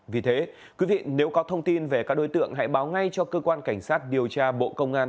vì thế quý vị nếu có thông tin về các đối tượng hãy báo ngay cho cơ quan cảnh sát điều tra bộ công an